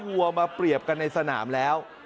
วัวมาเปรียบกันในสนามแล้ว